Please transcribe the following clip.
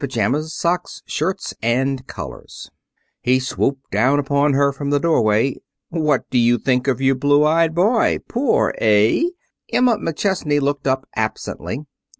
surrounded by piles of pajamas, socks, shirts and collars"] He swooped down upon her from the doorway. "What do you think of your blue eyed boy! Poor, eh?" Emma McChesney looked up absently.